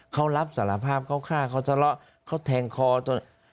เขารับสารภาพเขาฆ่าเขาสละเขาแทงคอตัวเนี่ย